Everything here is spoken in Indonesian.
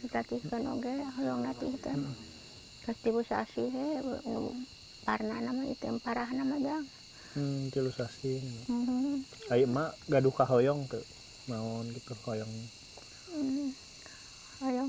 cause ibu namanya saya tidak sakit dengan mahluk kali lalu